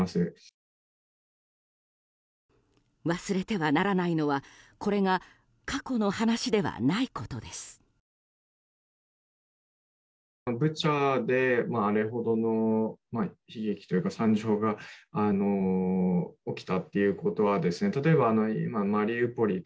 忘れてはならないのはこれが過去の話ではないことです。